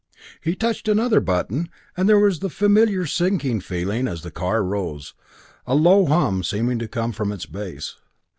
He touched another button, and there was the familiar sinking feeling as the car rose, a low hum seeming to come from its base.